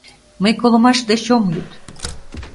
Мый колымаш деч ом лӱд!